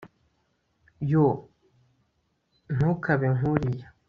yoo, ntukabe nkuriya